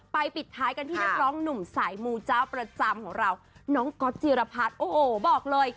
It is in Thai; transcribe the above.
ปิดท้ายกันที่นักร้องหนุ่มสายมูเจ้าประจำของเราน้องก๊อตจิรพัฒน์โอ้โหบอกเลย